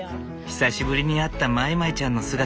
久しぶりに会ったまいまいちゃんの姿。